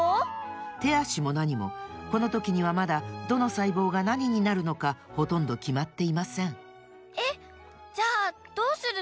てあしもなにもこのときにはまだどのさいぼうがなにになるのかほとんどきまっていませんえっじゃあどうするの？